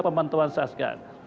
sudahlah pemanah pandoknya